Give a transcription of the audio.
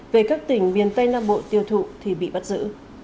về các tỉnh miền tây nam bộ tiêu thụ thì bị bắt giữ